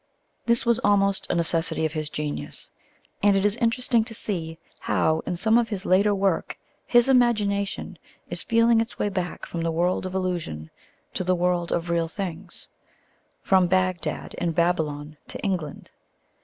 This was almost a necessity of his genius; and it is interesting to see how in some of his later work his imagination is feeling its way back from the world of illusion to the world of real things from Bagdad and Babylon to England.